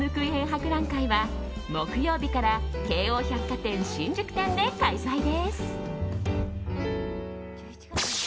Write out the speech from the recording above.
博覧会は木曜日から京王百貨店新宿店で開催です。